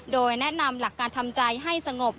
โดยแนะนำหลักการทำใจให้สงบ